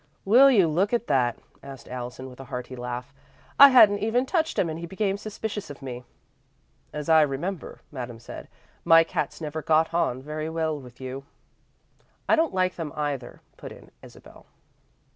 "Will you look at that?" asked Allison, with a hearty laugh. "I hadn't even touched him and he became suspicious of me." "As I remember," Madame said, "my cats never got on very well with you." "I don't like them either," put in Isabel.